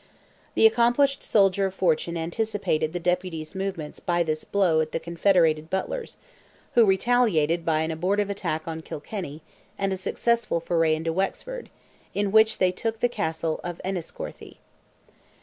The accomplished soldier of fortune anticipated the Deputy's movements by this blow at the confederated Butlers, who retaliated by an abortive attack on Kilkenny, and a successful foray into Wexford, in which they took the Castle of Enniscorthy.